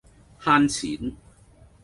慳錢